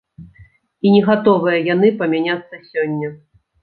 І не гатовыя яны памяняцца сёння.